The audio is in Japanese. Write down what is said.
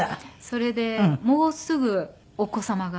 それでもうすぐお子様が。